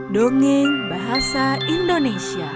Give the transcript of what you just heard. dongeng bahasa indonesia